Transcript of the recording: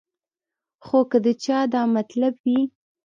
خو کۀ د چا دا مطلب وي